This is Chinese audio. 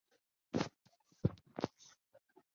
西安经济技术开发区位于西安市北城。